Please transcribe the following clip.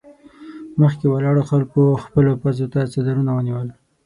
مخکې ولاړو خلکو خپلو پزو ته څادرونه ونيول.